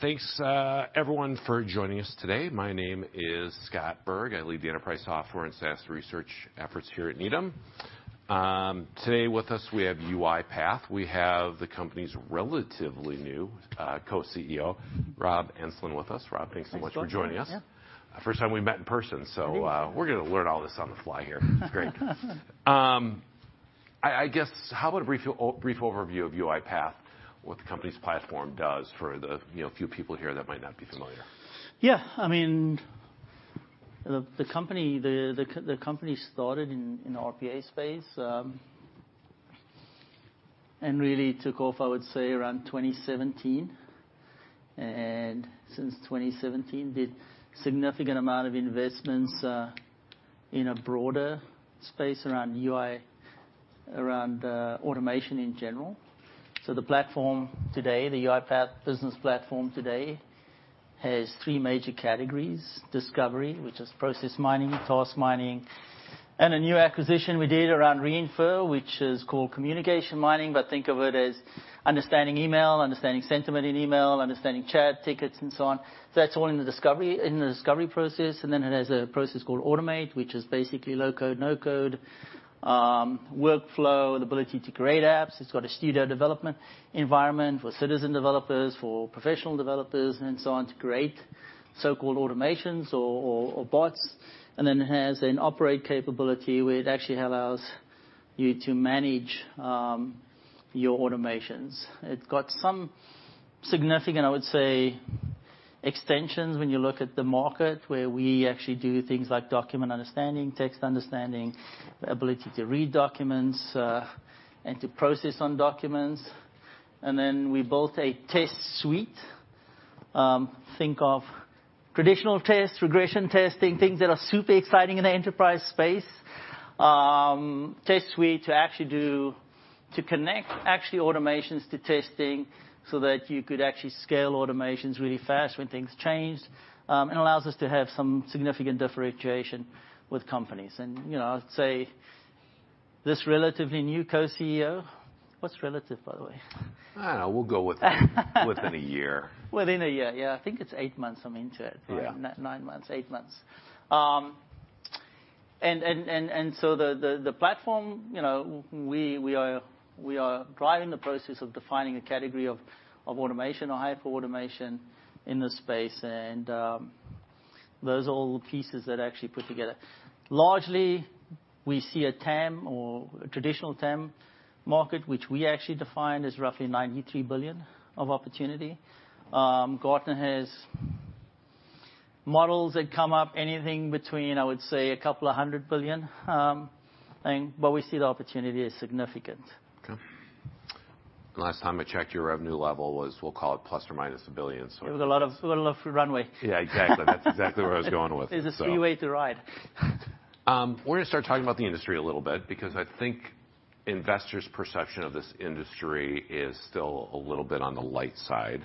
Thanks, everyone for joining us today. My name is Scott Berg. I lead the enterprise software and SaaS research efforts here at Needham. Today with us we have UiPath. We have the company's relatively new, Co-CEO, Rob Enslin, with us. Rob, thanks so much for joining us. Yeah. First time we've met in person. Indeed. We're gonna learn all this on the fly here. Great. I guess how about a brief overview of UiPath, what the company's platform does for the, you know, few people here that might not be familiar? Yeah. I mean, the company started in the RPA space, and really took off, I would say around 2017. And since 2017, did significant amount of investments in a broader space around UI, around automation in general. The platform today, the UiPath Business Automation Platform today has three major categories. Discovery, which is process mining, task mining, and a new acquisition we did around Re:infer, which is called communication mining, but think of it as understanding email, understanding sentiment in email, understanding chat tickets, and so on. That's all in the discovery process. Then it has a process called Automate, which is basically low-code, no-code workflow, the ability to create apps. It's got a studio development environment for citizen developers, for professional developers and so on to create so-called automations or bots. Then it has an operate capability where it actually allows you to manage your automations. It's got some significant, I would say, extensions when you look at the market where we actually do things like Document Understanding, text understanding, ability to read documents and to process on documents. Then we built a Test Suite. Think of traditional tests, regression testing, things that are super exciting in the enterprise space. Test Suite to actually connect actually automations to testing so that you could actually scale automations really fast when things change. It allows us to have some significant differentiation with companies. You know, I'd say this relatively new co-CEO. What's relative, by the way? I don't know. Within a year. Within a year. Yeah. I think it's eight months I'm into it. Yeah. Nine months, eight months. And so the platform, you know, we are driving the process of defining a category of automation or hyperautomation in this space, and those are all the pieces that are actually put together. Largely, we see a TAM or a traditional TAM market, which we actually define as roughly $93 billion of opportunity. Gartner has models that come up anything between, I would say $100 billion, but we see the opportunity as significant. Okay. Last time I checked, your revenue level was, we'll call it billions, so. There was a lot of runway. Yeah, exactly. That's exactly where I was going with it, so. It's a freeway to ride. We're gonna start talking about the industry a little bit because I think investors' perception of this industry is still a little bit on the light side.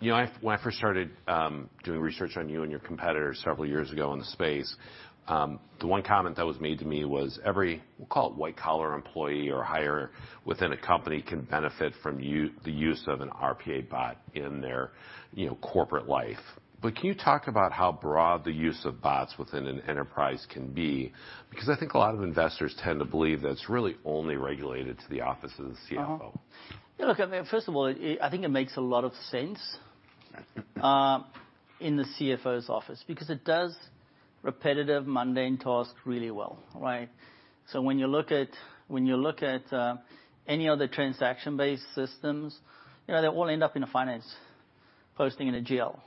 You know, when I first started doing research on you and your competitors several years ago in the space, the one comment that was made to me was every, we'll call it white collar employee or higher within a company can benefit from the use of an RPA bot in their, you know, corporate life. But can you talk about how broad the use of bots within an enterprise can be? Because I think a lot of investors tend to believe that it's really only regulated to the office of the CFO. Yeah, look, I mean, first of all, I think it makes a lot of sense in the CFO's office because it does repetitive, mundane tasks really well, right. When you look at any other transaction-based systems, you know, they all end up in a finance posting in a GL.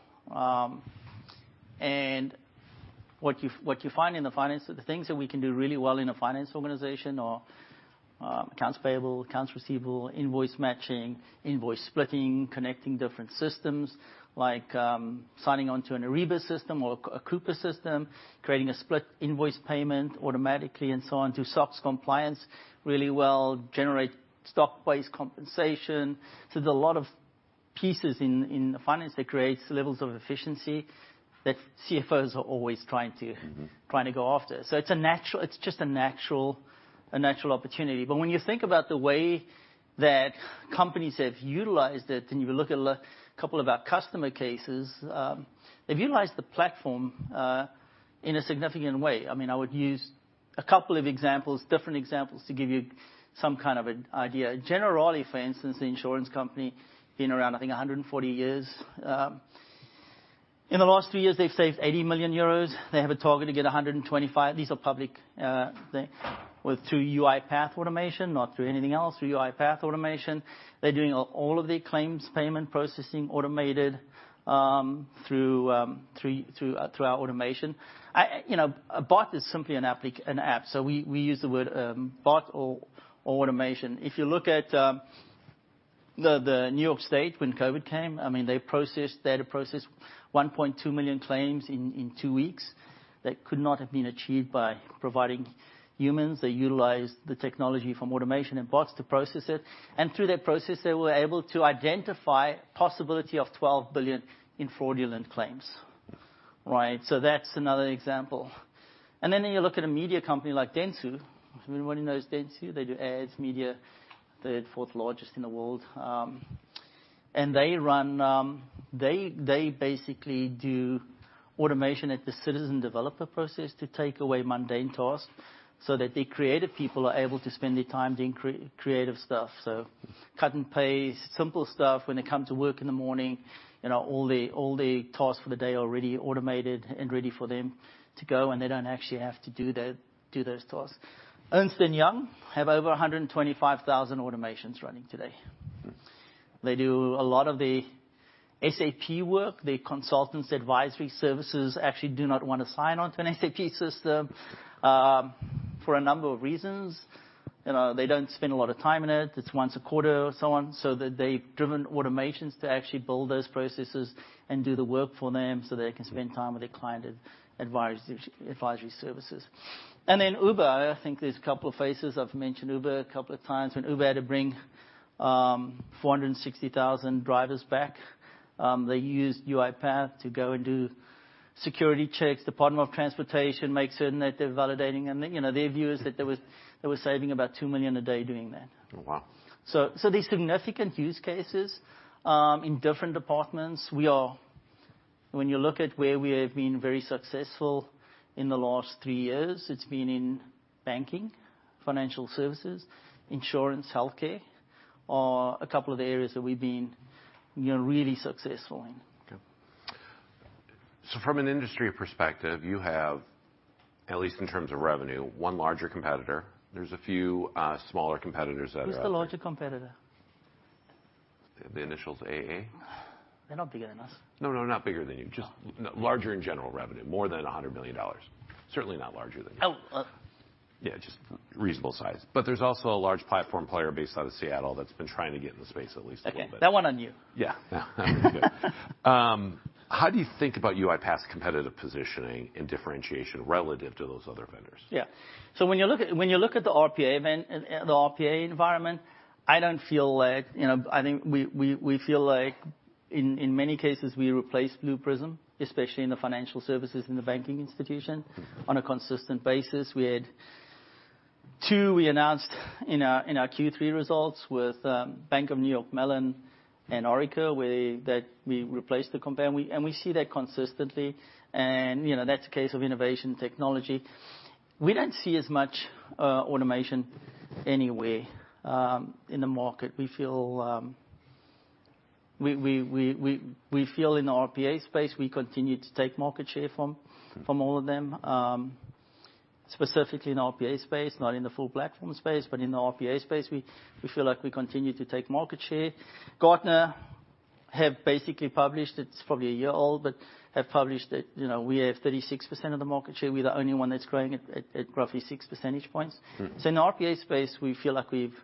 What you find in the finance, The things that we can do really well in a finance organization are accounts payable, accounts receivable, invoice matching, invoice splitting, connecting different systems like signing on to an Ariba system or a Coupa system, creating a split invoice payment automatically and so on. Do SOX compliance really well, generate stock-based compensation. There's a lot of pieces in the finance that creates levels of efficiency that CFOs are always trying to, trying to go after. It's a natural opportunity. When you think about the way that companies have utilized it, and you look at a couple of our customer cases, they've utilized the platform in a significant way. I mean, I would use a couple of examples, different examples to give you some kind of an idea. Generali, for instance, the insurance company, been around, I think 140 years. In the last three years, they've saved 80 million euros. They have a target to get 125. These are public, through UiPath automation, not through anything else, through UiPath automation. They're doing all of their claims payment processing automated through our automation. You know, a bot is simply an app, so we use the word bot or automation. If you look at the New York State when COVID came, I mean, they had to process 1.2 million claims in two weeks that could not have been achieved by providing humans. They utilized the technology from automation and bots to process it, and through that process, they were able to identify possibility of $12 billion in fraudulent claims. Right. That's another example. You look at a media company like Dentsu. Everyone knows Dentsu. They do ads, media, third, fourth largest in the world. They run, they basically do automation at the citizen developer process to take away mundane tasks so that the creative people are able to spend their time doing creative stuff. Cut and paste, simple stuff. When they come to work in the morning, you know, all the tasks for the day are already automated and ready for them to go, and they don't actually have to do those tasks. Ernst & Young have over 125,000 automations running today. They do a lot of the SAP work. The consultants advisory services actually do not wanna sign on to an SAP system for a number of reasons. You know, they don't spend a lot of time in it. It's once a quarter or so on. They've driven automations to actually build those processes and do the work for them so they can spend time with their client advisory services. And in Uber, I think there's a couple of faces. I've mentioned Uber a couple of times. When Uber had to bring 460,000 drivers back, they used UiPath to go and do security checks. The Department of Transportation make certain that they're validating them. You know, their view is that they were saving about $2 million a day doing that. Oh, wow. So these significant use cases in different departments. When you look at where we have been very successful in the last three years, it's been in banking, financial services, insurance, healthcare, are a couple of the areas that we've been, you know, really successful in. Okay. From an industry perspective, you have, at least in terms of revenue, one larger competitor. There's a few smaller competitors that are. Who's the larger competitor? The initials AA. They're not bigger than us. No, no, not bigger than you. Oh. Just larger in general revenue, more than $100 million. Certainly not larger than you. Oh. Yeah, just reasonable size. But there's also a large platform player based out of Seattle that's been trying to get in the space at least a little bit. Okay. That one I knew. Yeah. Yeah. How do you think about UiPath's competitive positioning and differentiation relative to those other vendors? Yeah. When you look at the RPA environment, I don't feel like, you know. I think we feel like in many cases, we replace Blue Prism, especially in the financial services in the banking institution. Mm-hmm. On a consistent basis. We had two we announced in our Q3 results with Bank of New York Mellon and Orica, where that we replaced the company. We see that consistently and, you know, that's a case of innovation technology. We don't see as much Automation Anywhere in the market. We feel in the RPA space, we continue to take market share from all of them. Specifically in the RPA space, not in the full platform space, but in the RPA space, we feel like we continue to take market share. Gartner have basically published, it's probably a year old, but have published that, you know, we have 36% of the market share. We're the only one that's growing at roughly six percentage points. Mm. In the RPA space, we feel like we've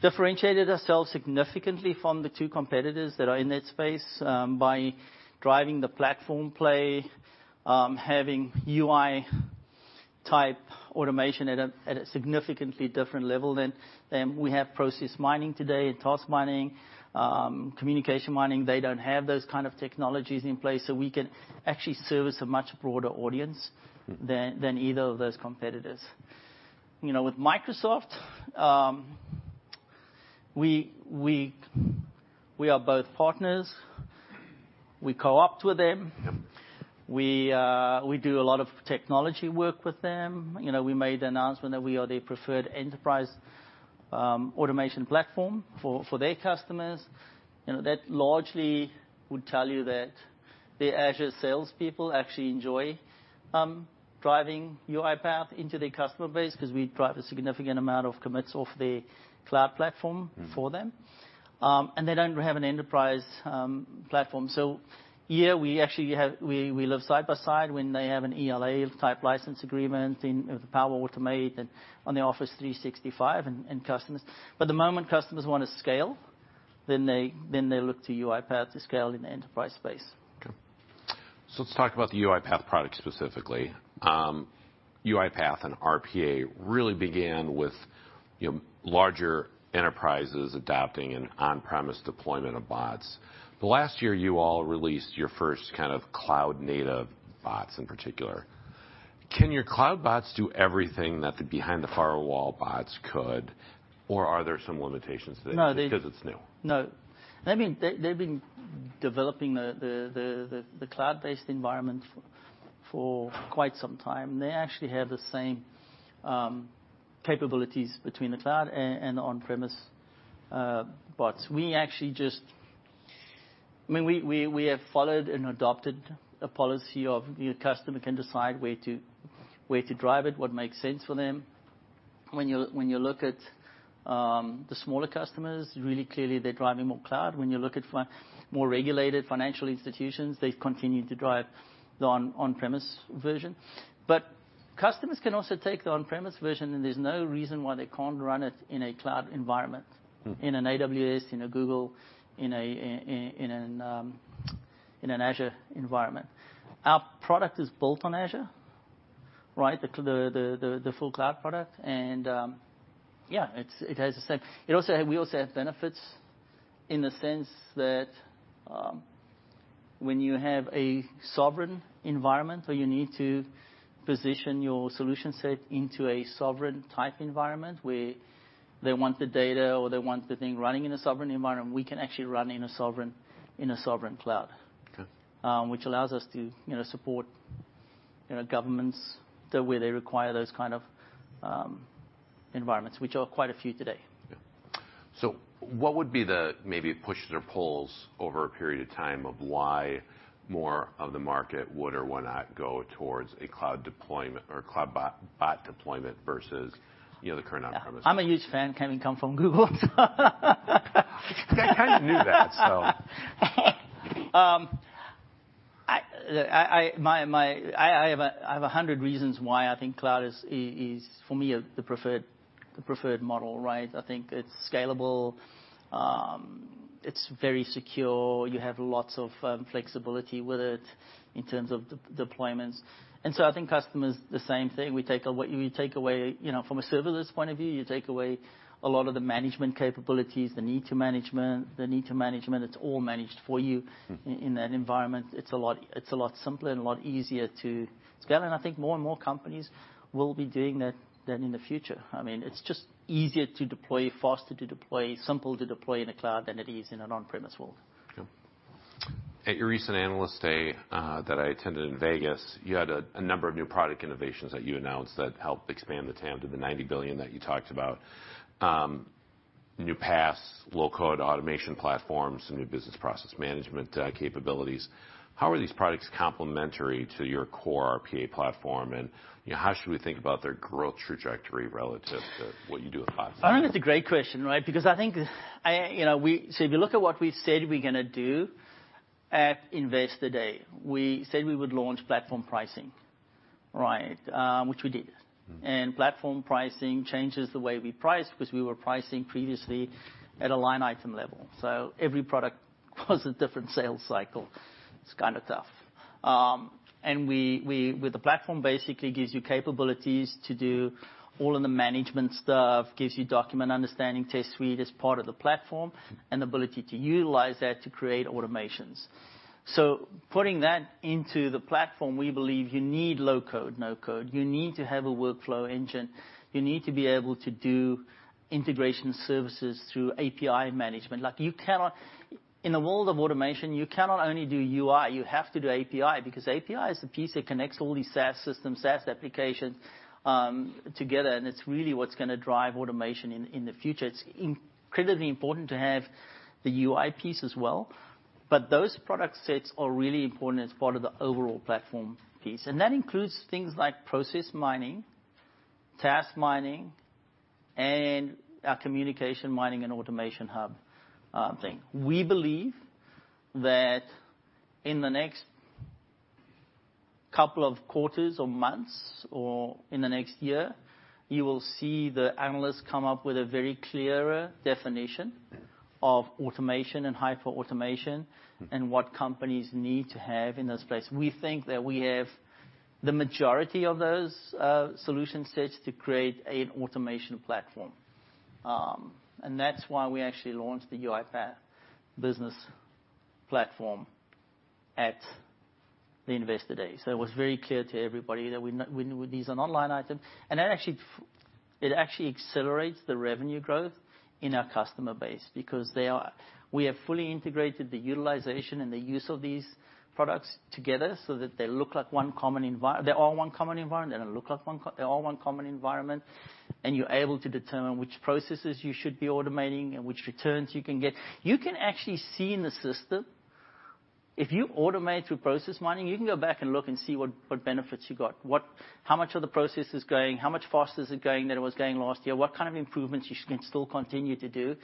differentiated ourselves significantly from the two competitors that are in that space, by driving the platform play, having UI-type automation at a significantly different level than. We have Process Mining today and Task Mining, Communications Mining. They don't have those kind of technologies in place, so we can actually service a much broader audience. Mm. than either of those competitors. You know, with Microsoft, we are both partners. We co-opt with them. Yep. We do a lot of technology work with them. You know, we made the announcement that we are their preferred enterprise automation platform for their customers. You know, that largely would tell you that their Azure salespeople actually enjoy driving UiPath into their customer base because we drive a significant amount of commits off their cloud platform. Mm. for them. They don't have an enterprise platform. Here, we actually have we live side by side when they have an ELA-type license agreement in, with Power Automate and on the Office 365 and customers. The moment customers wanna scale, then they look to UiPath to scale in the enterprise space. Okay. Let's talk about the UiPath product specifically. UiPath and RPA really began with, you know, larger enterprises adopting an on-premise deployment of bots. Last year, you all released your first kind of cloud-native bots in particular. Can your cloud bots do everything that the behind the firewall bots could, or are there some limitations there? No. just 'cause it's new? No. They've been developing the cloud-based environment for quite some time. They actually have the same capabilities between the cloud and on-premise bots. We actually just. I mean, we have followed and adopted a policy of your customer can decide where to, where to drive it, what makes sense for them. When you, when you look at the smaller customers, really clearly they're driving more cloud. When you look at more regulated financial institutions, they've continued to drive the on-premise version. Customers can also take the on-premise version, and there's no reason why they can't run it in a cloud environment. Mm. In an AWS, in a Google, in an Azure environment. Our product is built on Azure. Right, the full cloud product. Yeah, it has the same. We also have benefits in the sense that when you have a sovereign environment or you need to position your solution set into a sovereign type environment where they want the data, or they want the thing running in a sovereign environment, we can actually run in a sovereign cloud. Okay. Which allows us to, you know, support, you know, governments the way they require those kind of environments, which are quite a few today. Yeah. What would be the maybe pushes or pulls over a period of time of why more of the market would or would not go towards a cloud deployment or cloud bot deployment versus, you know, the current on-premise? I'm a huge fan, coming from Google. I kinda knew that, so... I have 100 reasons why I think cloud is for me the preferred model, right. I think it's scalable. It's very secure. You have lots of flexibility with it in terms of deployments. I think customers, the same thing. What you take away, you know, from a serverless point of view, you take away a lot of the management capabilities, the need to management. It's all managed for you. Mm-hmm. in that environment. It's a lot simpler and a lot easier to scale. I think more and more companies will be doing that in the future. I mean, it's just easier to deploy, faster to deploy, simple to deploy in a cloud than it is in an on-premise world. Yeah. At your recent Analyst Day, that I attended in Vegas, you had a number of new product innovations that you announced that helped expand the TAM to the $90 billion that you talked about. New paths, low-code automation platforms, and new business process management capabilities. How are these products complementary to your core RPA platform? You know, how should we think about their growth trajectory relative to what you do with bots? I think that's a great question, right? Because I think, you know, if you look at what we said we're going to do at Investor Day, we said we would launch platform pricing, right? Which we did. Mm-hmm. Platform pricing changes the way we price because we were pricing previously at a line item level. Every product was a different sales cycle. It's kinda tough. With the platform basically gives you capabilities to do all of the management stuff, gives you Document Understanding. Test Suite is part of the platform. Mm-hmm. The ability to utilize that to create automations. So putting that into the platform, we believe you need low-code, no-code. You need to have a workflow engine. You need to be able to do integration services through API management. Like, in the world of automation, you cannot only do UI, you have to do API because API is the piece that connects all these SaaS systems, SaaS applications together, and it's really what's gonna drive automation in the future. It's incredibly important to have the UI piece as well, but those product sets are really important as part of the overall platform piece. That includes things like Process Mining, Task Mining, and our Communications Mining and Automation Hub thing. We believe that in the next couple of quarters or months or in the next year, you will see the analysts come up with a very clearer definition. Yeah. of automation and hyperautomation Mm-hmm. -and what companies need to have in those places. We think that we have the majority of those, solution sets to create an automation platform. That's why we actually launched the UiPath Business Platform at the Investor Day. It was very clear to everybody that These are not line item. That actually accelerates the revenue growth in our customer base because they are. We have fully integrated the utilization and the use of these products together so that they're all one common environment, and you're able to determine which processes you should be automating and which returns you can get. You can actually see in the system if you automate through process mining, you can go back and look and see what benefits you got. How much of the process is going? How much faster is it going than it was going last year? What kind of improvements you can still continue to do?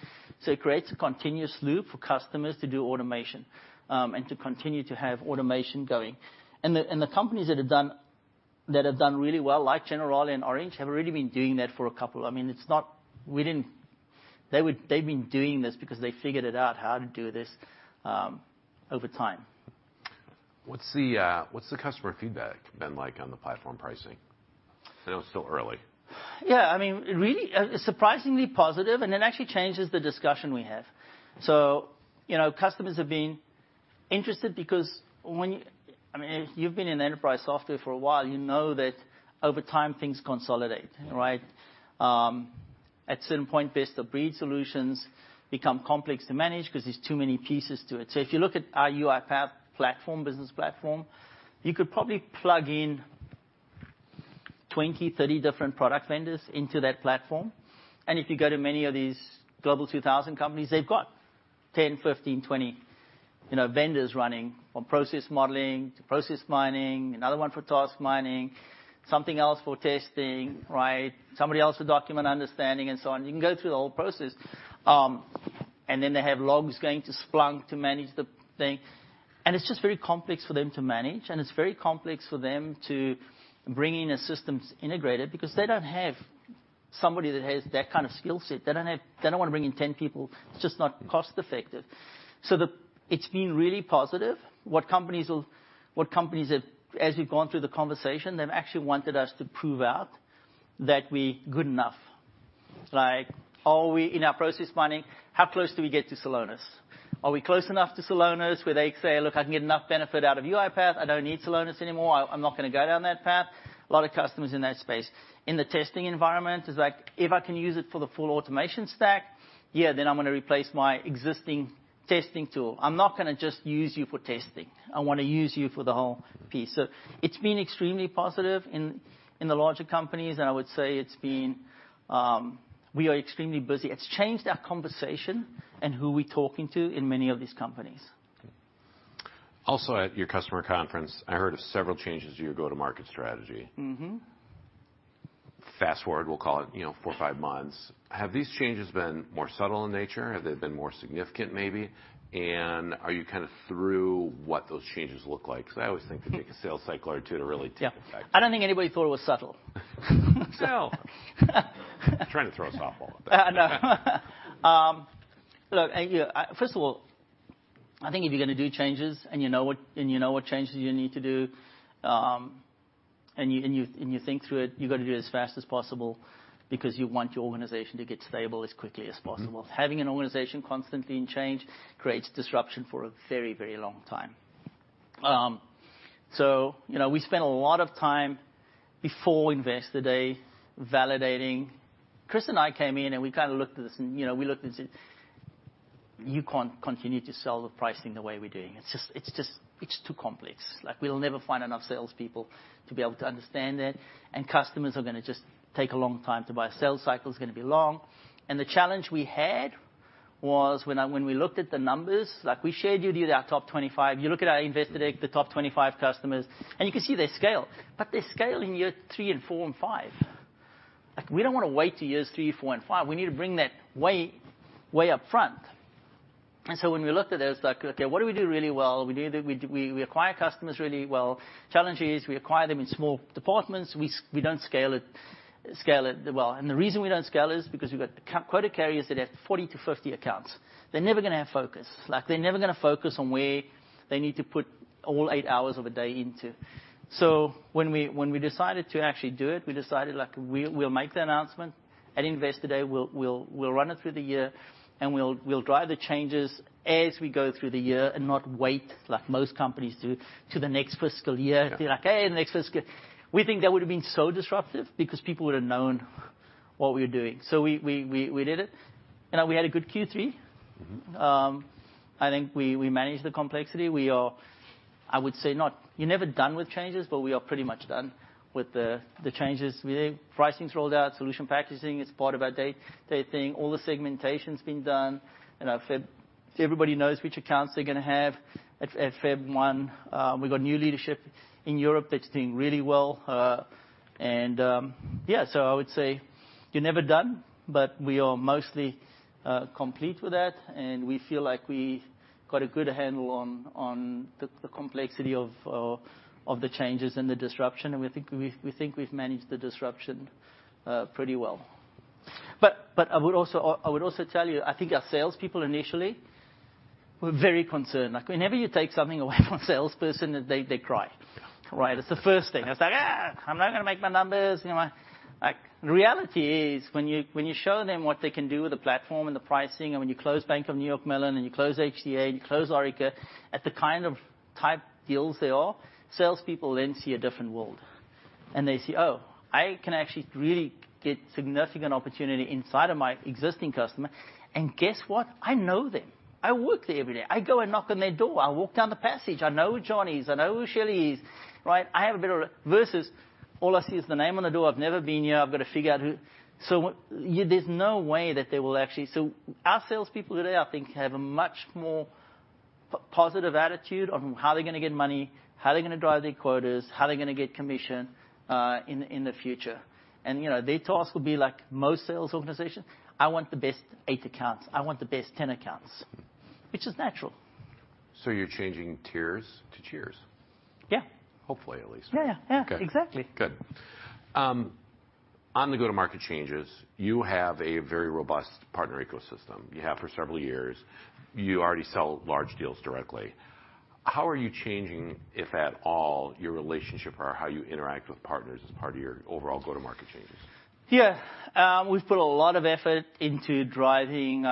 It creates a continuous loop for customers to do automation and to continue to have automation going. The companies that have done really well, like Generali and Orange, have really been doing that for a couple. I mean, it's not. We didn't. They've been doing this because they figured it out how to do this over time. What's the customer feedback been like on the platform pricing? I know it's still early. Yeah. I mean, really, surprisingly positive. It actually changes the discussion we have. You know, customers have been interested because I mean, if you've been in enterprise software for a while, you know that over time things consolidate, right? At certain point, best-of-breed solutions become complex to manage 'cause there's too many pieces to it. If you look at our UiPath platform, business platform, you could probably plug in 20, 30 different product vendors into that platform. If you go to many of these Global 2000 companies, they've got 10, 15, 20, you know, vendors running from process modeling to process mining, another one for task mining, something else for testing, right? Somebody else for document understanding, and so on. You can go through the whole process. Then they have logs going to Splunk to manage the thing. It's just very complex for them to manage, and it's very complex for them to bring in a systems integrator because they don't have somebody that has that kind of skill set. They don't have. They don't wanna bring in 10 people. It's just not cost-effective. It's been really positive what companies have. As we've gone through the conversation, they've actually wanted us to prove out that we good enough. Like, are we, in our process mining, how close do we get to Celonis? Are we close enough to Celonis where they say, "Look, I can get enough benefit out of UiPath, I don't need Celonis anymore. I'm not gonna go down that path." A lot of customers in that space. In the testing environment, it's like, "If I can use it for the full automation stack, yeah, then I'm gonna replace my existing testing tool. I'm not gonna just use you for testing. I wanna use you for the whole piece." It's been extremely positive in the larger companies. We are extremely busy. It's changed our conversation and who we're talking to in many of these companies. At your customer conference, I heard of several changes to your go-to-market strategy. Mm-hmm. Fast-forward, we'll call it, you know, four, five months, have these changes been more subtle in nature? Have they been more significant maybe? Are you kind of through what those changes look like? 'Cause I always think it'd take a sales cycle or two to really take effect. Yeah. I don't think anybody thought it was subtle. Trying to throw a softball. I know. Look, and, yeah, first of all, I think if you're gonna do changes, and you know what, and you know what changes you need to do, and you think through it, you gotta do it as fast as possible because you want your organization to get stable as quickly as possible. Mm-hmm. Having an organization constantly in change creates disruption for a very, very long time. You know, we spent a lot of time before Investor Day validating. Chris and I came in, and we kind of looked at this and, you know, we looked and said, "You can't continue to sell the pricing the way we're doing. It's just, it's too complex." Like, we'll never find enough salespeople to be able to understand it, and customers are gonna just take a long time to buy. Sales cycle is gonna be long. The challenge we had was when we looked at the numbers, like we shared with you our top 25. You look at our Investor Day, the top 25 customers, and you can see their scale. They scale in year three and four and five. Like, we don't wanna wait to years three, four, and five. We need to bring that way up front. When we looked at this, like, okay, what do we do really well? We acquire customers really well. Challenge is we acquire them in small departments. We don't scale it well. The reason we don't scale is because we've got quota carriers that have 40 to 50 accounts. They're never gonna have focus. Like, they're never gonna focus on where they need to put all eight hours of a day into. When we decided to actually do it, we decided, like, we'll make the announcement at Investor Day. We'll run it through the year, and we'll drive the changes as we go through the year and not wait, like most companies do, to the next fiscal year. Yeah. To be like, "Hey, next fiscal..." We think that would've been so disruptive because people would've known what we were doing. We did it, and we had a good Q3. Mm-hmm. I think we managed the complexity. We are, I would say, not. You're never done with changes, but we are pretty much done with the changes. Pricing's rolled out. Solution packaging is part of our day thing. All the segmentation's been done. You know, everybody knows which accounts they're gonna have at Feb one. We've got new leadership in Europe that's doing really well. Yeah, so I would say you're never done, but we are mostly complete with that, and we feel like we got a good handle on the complexity of the changes and the disruption, and we think we've managed the disruption pretty well. I would also tell you, I think our salespeople initially were very concerned. Like, whenever you take something away from a salesperson, they cry, right? It's the first thing. It's like, "I'm not gonna make my numbers." You know? Like, the reality is when you show them what they can do with the platform and the pricing, and when you close Bank of New York Mellon, and you close HCA, and you close Orica at the kind of type deals they are, salespeople then see a different world. They see, "I can actually really get significant opportunity inside of my existing customer. Guess what? I know them. I work there every day. I go and knock on their door. I walk down the passage. I know who John is. I know who Shelly is," right? Versus, "All I see is the name on the door. I've never been here. I've got to figure out who..." There's no way that they will actually... Our salespeople today, I think, have a much more positive attitude on how they're gonna get money, how they're gonna drive their quotas, how they're gonna get commission in the future. You know, their task will be like most sales organizations. I want the best eight accounts. I want the best 10 accounts. Which is natural. So you're changing tiers to cheers. Yeah. Hopefully, at least. Yeah, yeah. Yeah. Okay. Exactly. Good. On the go-to-market changes, you have a very robust partner ecosystem. You have for several years. You already sell large deals directly. How are you changing, if at all, your relationship or how you interact with partners as part of your overall go-to-market changes? Yeah. We've put a lot of effort into driving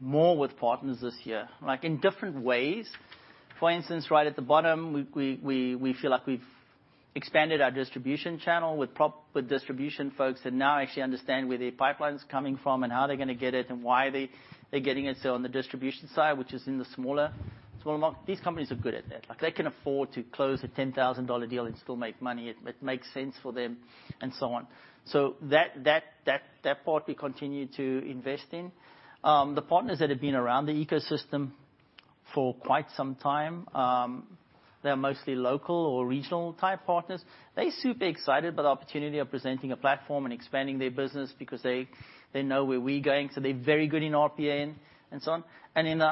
more with partners this year, like, in different ways. For instance, right at the bottom, we feel like we've expanded our distribution channel with distribution folks that now actually understand where their pipeline's coming from and how they're gonna get it and why they're getting it. On the distribution side, which is in the smaller market, these companies are good at that. Like, they can afford to close a $10,000 deal and still make money. It makes sense for them and so on. So that, that part we continue to invest in. The partners that have been around the ecosystem for quite some time, they're mostly local or regional type partners. They're super excited about the opportunity of presenting a platform and expanding their business because They know where we're going, so they're very good in RPA and so on. In the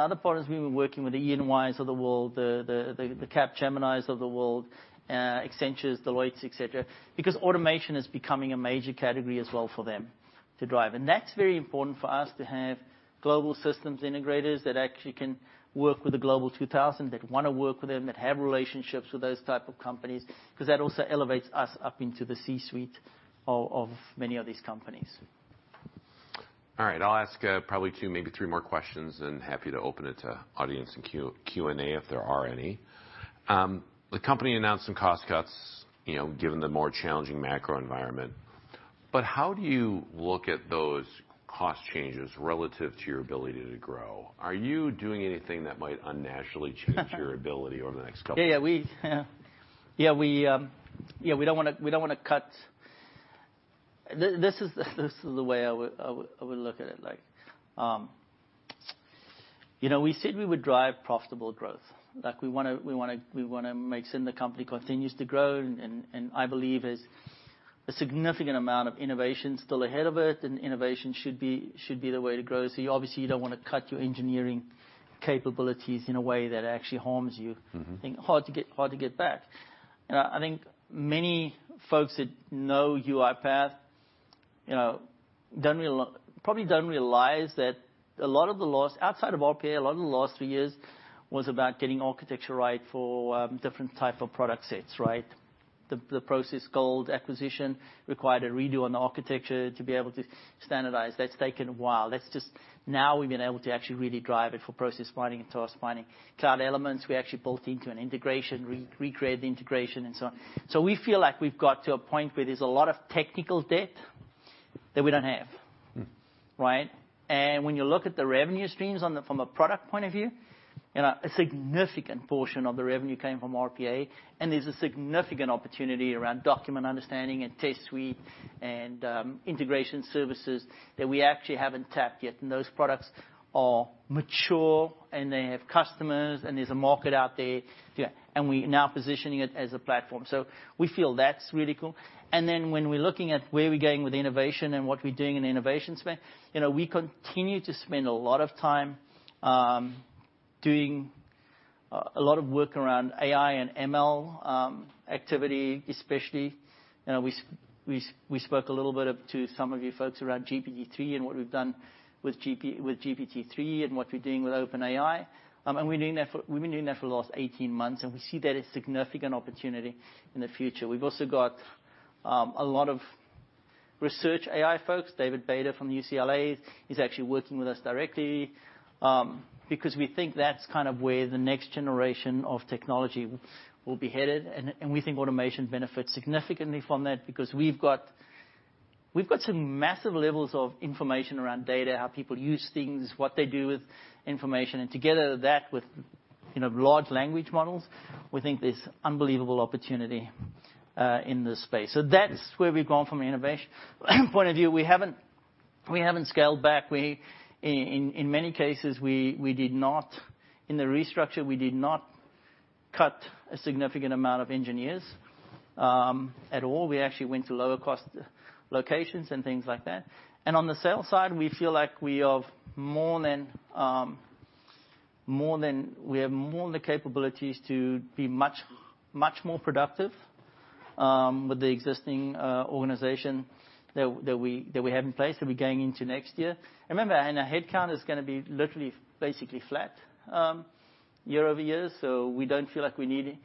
other partners we've been working with, the EYs of the world, the Capgeminis of the world, Accentures, Deloittes, et cetera, because automation is becoming a major category as well for them to drive. That's very important for us to have global systems integrators that actually can work with the Global 2000, that wanna work with them, that have relationships with those type of companies, 'cause that also elevates us up into the C-suite of many of these companies. All right. I'll ask probably two, maybe three more questions, and happy to open it to audience Q&A if there are any. The company announced some cost cuts, you know, given the more challenging macro environment. How do you look at those cost changes relative to your ability to grow? Are you doing anything that might unnaturally change your ability over the next couple years? Yeah we, we don't wanna cut... This is the way I would look at it like. You know, we said we would drive profitable growth. Like we wanna make certain the company continues to grow and I believe there's a significant amount of innovation still ahead of it, and innovation should be the way to grow. You obviously you don't wanna cut your engineering capabilities in a way that actually harms you. Mm-hmm. I think hard to get, hard to get back. I think many folks that know UiPath, you know, probably don't realize that a lot of the last few years was about getting architecture right for different type of product sets, right? The ProcessGold acquisition required a redo on the architecture to be able to standardize. That's taken a while. That's just now we've been able to actually really drive it for Process Mining and Task Mining. Cloud Elements, we actually built into an integration, recreate the integration and so on. We feel like we've got to a point where there's a lot of technical debt that we don't have. Mm. Right? When you look at the revenue streams on the-- from a product point of view, you know, a significant portion of the revenue came from RPA, and there's a significant opportunity around Document Understanding and Test Suite and integration services that we actually haven't tapped yet. Those products are mature, and they have customers, and there's a market out there. Yeah. We're now positioning it as a platform. We feel that's really cool. When we're looking at where we're going with innovation and what we're doing in the innovation space, you know, we continue to spend a lot of time doing a lot of work around AI and ML activity especially. We spoke a little bit up to some of you folks around GPT-3 and what we've done with GPT-3 and what we're doing with OpenAI. We've been doing that for the last 18 months, and we see that as significant opportunity in the future. We've also got a lot of research AI folks. David Bader from UCLA is actually working with us directly because we think that's kind of where the next generation of technology will be headed. We think automation benefits significantly from that because we've got some massive levels of information around data, how people use things, what they do with information. Together that with, you know, large language models, we think there's unbelievable opportunity in this space. That's where we've gone from an innovation point of view. We haven't scaled back. In many cases, in the restructure, we did not cut a significant amount of engineers at all. We actually went to lower cost locations and things like that. On the sales side, we feel like we have more than the capabilities to be much, much more productive with the existing organization that we have in place, that we're going into next year. Remember, our head count is gonna be literally basically flat year-over-year. We don't feel like we need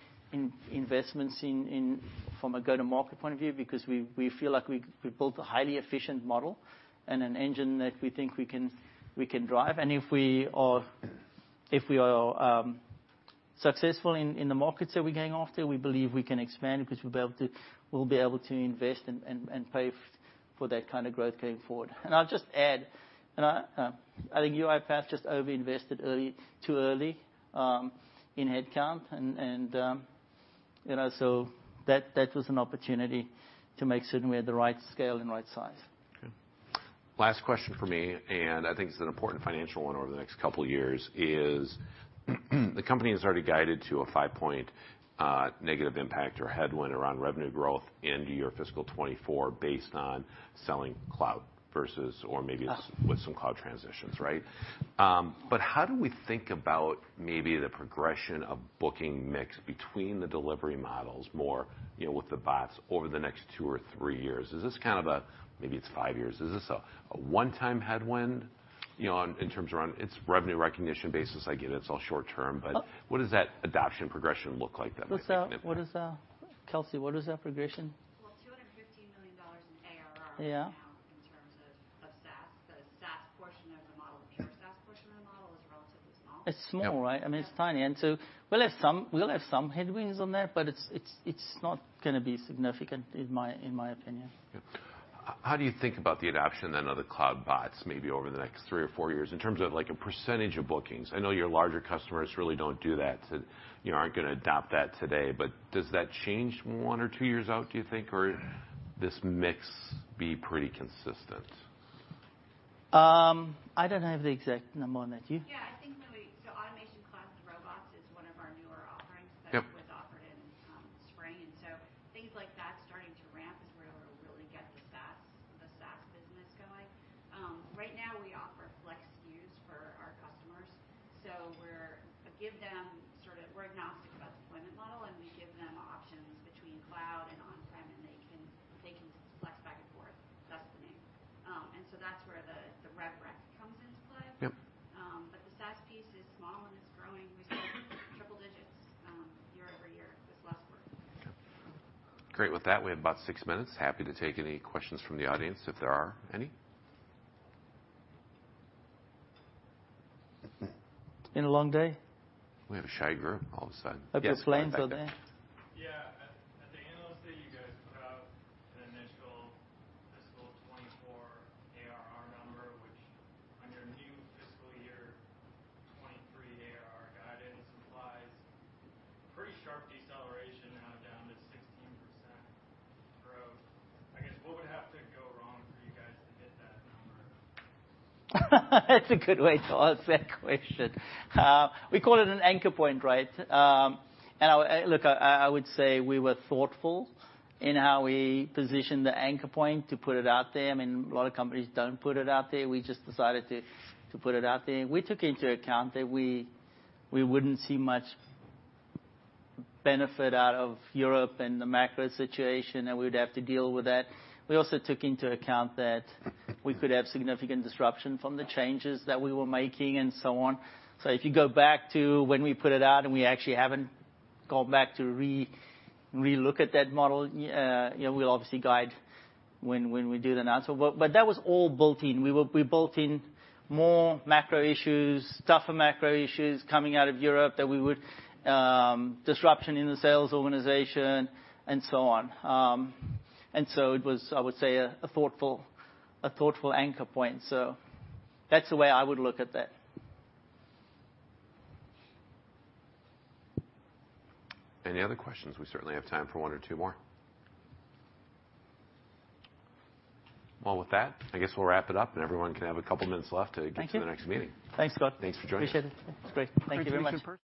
investments in from a go-to-market point of view because we feel like we built a highly efficient model and an engine that we think we can drive. If we are successful in the markets that we're going after, we believe we can expand because we'll be able to invest and pay for that kind of growth going forward. I'll just add, I think UiPath just over-invested early, too early, in headcount and, you know. That was an opportunity to make certain we had the right scale and right size. Okay. Last question from me, I think it's an important financial one over the next couple years, is the company has already guided to a five-point negative impact or headwind around revenue growth into your fiscal 2024 based on selling cloud versus or maybe with some cloud transitions, right? How do we think about maybe the progression of booking mix between the delivery models more, you know, with the bots over the next two or three years? Is this kind of a... Maybe it's five years. Is this a one-time headwind, you know, in terms around its revenue recognition basis? I get it's all short term, but what does that adoption progression look like that might commit-? Kelsey, what is that progression? Well, $215 million in ARR. Yeah ...now in terms of SaaS. The SaaS portion of the model, the pure SaaS portion of the model is relatively small. It's small, right? Yeah. I mean, it's tiny. We'll have some headwinds on that, but it's not gonna be significant, in my opinion. How do you think about the adoption of the cloud bots maybe over the next three or four years in terms of, like, a percentage of bookings? I know your larger customers really don't do that, you know, aren't gonna adopt that today. Does that change one or two years out, do you think? This mix be pretty consistent? I don't have the exact number on that. Do you? That was offered in spring. Things like that starting to ramp is where we'll really get the SaaS business going. Right now we offer Flex SKUs for our customers. We give them sort of we're agnostic about deployment model, and we give them options between cloud and on-prem, and they can flex back and forth. That's the name. That's where the rev rec comes into play. Yep. The SaaS piece is small and it's growing. We saw triple digits, year-over-year this last quarter. Okay. Great. With that, we have about six minutes. Happy to take any questions from the audience if there are any. Been a long day? number? That's a good way to ask that question. We call it an anchor point, right? I would say we were thoughtful in how we positioned the anchor point to put it out there. I mean, a lot of companies don't put it out there. We just decided to put it out there. We took into account that we wouldn't see much benefit out of Europe and the macro situation, and we would have to deal with that. We also took into account that we could have significant disruption from the changes that we were making and so on. If you go back to when we put it out and we actually haven't gone back to relook at that model, you know, we'll obviously guide when we do the announcement. That was all built in. We built in more macro issues, tougher macro issues coming out of Europe that we would, disruption in the sales organization and so on. It was, I would say, a thoughtful anchor point. That's the way I would look at that. Any other questions? We certainly have time for one or two more. Well, with that, I guess we'll wrap it up, and everyone can have a couple minutes left to get to their next meeting. Thank you. Thanks, Scott. Thanks for joining us. Appreciate it. It's great. Thank you very much.